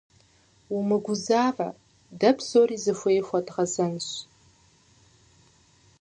Умыгузавэ, дэ псори зыхуей хуэдгъэзэнщ.